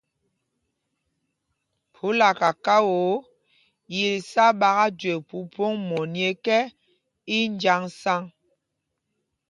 Phúla kakao, yǐl sá ɓaka jüe Mpumpong mɔní ekɛ, í njǎŋsaŋ.